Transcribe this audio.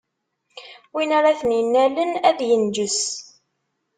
Win ara ten-innalen ad inǧes.